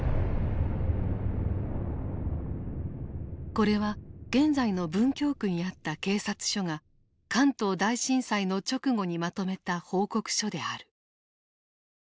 これは現在の文京区にあった警察署が関東大震災の直後にまとめた報告書である。